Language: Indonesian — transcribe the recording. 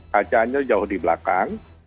kacanya jauh di belakang